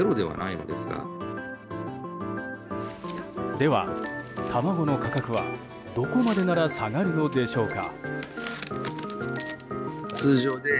では、卵の価格はどこまでなら下がるのでしょうか。